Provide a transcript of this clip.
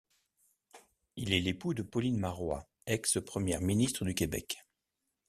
Il est l’époux de Pauline Marois, ex-première ministre du Québec.